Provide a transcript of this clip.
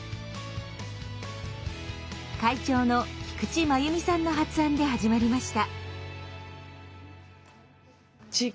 会長の菊池まゆみさんの発案で始まりました。